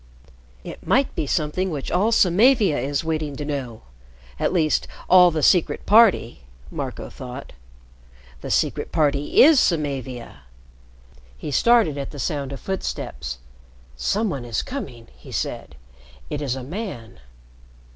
"It might be something which all Samavia is waiting to know at least all the Secret Party," Marco thought. "The Secret Party is Samavia," he started at the sound of footsteps. "Some one is coming!" he said. "It is a man."